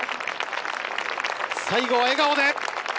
最後は笑顔で。